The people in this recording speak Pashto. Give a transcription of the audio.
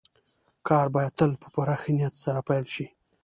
کار بايد تل په پوره ښه نيت سره پيل شي.